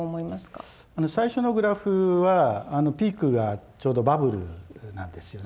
最初のグラフはピークがちょうどバブルなんですよね。